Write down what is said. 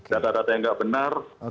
data data yang tidak benar